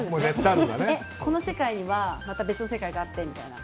この世界にはまた別の世界があってみたいな。